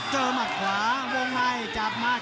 เจอมาขวาโรงในจับมา